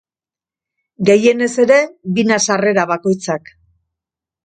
Gehienez ere, bina sarrera bakoitzak.